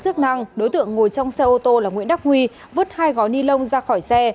chức năng đối tượng ngồi trong xe ô tô là nguyễn đắc huy vứt hai gói ni lông ra khỏi xe